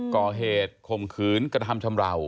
ก่อเหตุคมขืนกระทำชำราว